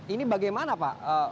ini bagaimana pak